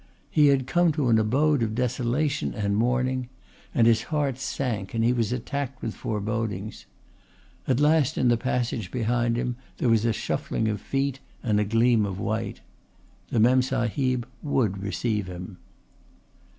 He had come to an abode of desolation and mourning; and his heart sank and he was attacked with forebodings. At last in the passage behind him there was a shuffling of feet and a gleam of white. The Memsahib would receive him.